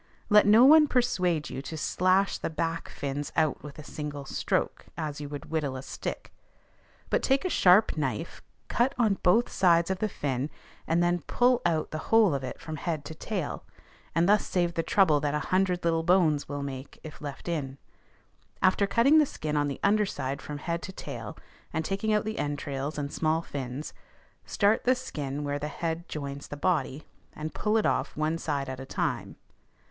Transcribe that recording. Let no one persuade you to slash the back fins out with a single stroke, as you would whittle a stick; but take a sharp knife, cut on both sides of the fin, and then pull out the whole of it from head to tail, and thus save the trouble that a hundred little bones will make if left in. After cutting the skin on the under side from head to tail, and taking out the entrails and small fins, start the skin where the head joins the body, and pull it off one side at a time.